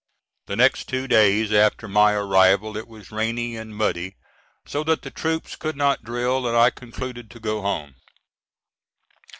The next two days after my arrival it was rainy and muddy so that the troops could not drill and I concluded to go home.